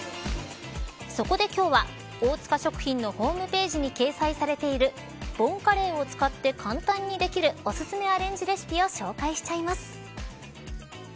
そこで今日は大塚食品のホームページに掲載されているボンカレーを使って簡単にできるおすすめアレンジレシピを紹介しちゃいます。